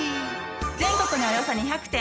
全国におよそ２００店